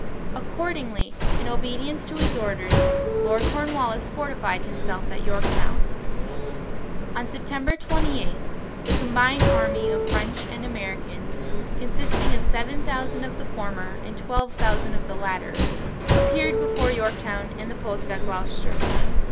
Accordingly, in obedience to his orders, Lord Cornwallis fortified himself at Yorktown. On September 28 the combined army of French and Americans, consisting of 7000 of the former and 12,000 of the latter, appeared before Yorktown and the post at Gloucester.